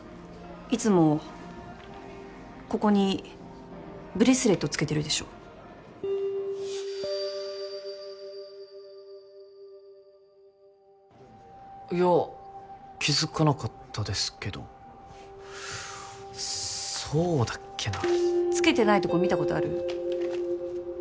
いつもここにブレスレットつけてるでしょいや気づかなかったですけどそうだっけなつけてないとこ見たことある？